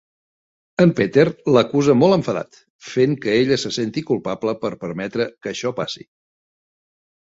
En Peter l'acusa molt enfadat, fent que ella se senti culpable per permetre que això passi.